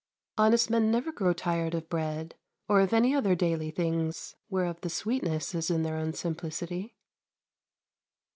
Honest men never grow tired of bread or of any other daily things whereof the sweetness is in their own simplicity.